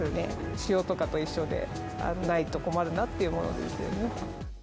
塩とかと一緒で、ないと困るなっていうものですよね。